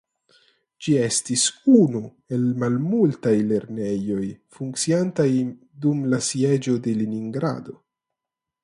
Ĝi estis unu el malmultaj lernejoj funkciantaj dum la Sieĝo de Leningrado.